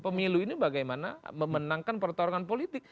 pemilu ini bagaimana memenangkan pertarungan politik